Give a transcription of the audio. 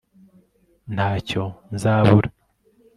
nta cyo nzabura